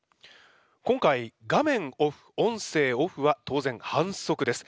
今回画面オフ音声オフは当然反則です。